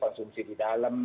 konsumsi di dalam